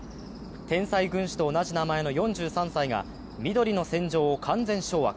天才軍師と同じ名前の４３歳が緑の戦場を完全掌握。